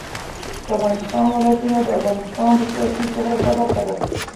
د افغانستان ولايتونه د افغانستان د سیاسي جغرافیه برخه ده.